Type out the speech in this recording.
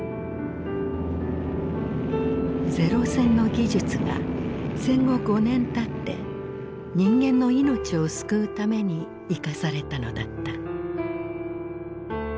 零戦の技術が戦後５年たって人間の命を救うために生かされたのだった。